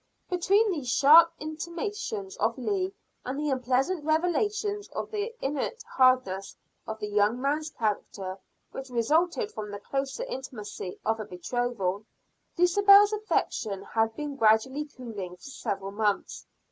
Between these sharp intimations of Leah, and the unpleasant revelations of the innate hardness of the young man's character, which resulted from the closer intimacy of a betrothal, Dulcibel's affection had been gradually cooling for several months.